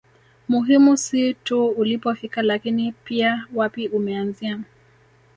Muhimu si tu ulipofika lakini pia wapi umeanzia